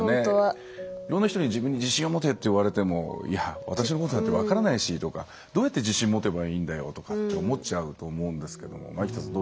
いろんな人に自分に自信を持てって言われてもいや私のことなんて分からないしとかどうやって自信持てばいいんだよとかって思っちゃうと思うんですけども前北さん